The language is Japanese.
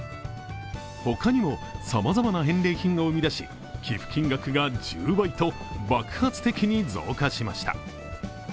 他にもさまざまな返礼品を生み出し、寄付金額が１０倍と爆発的に増加しました。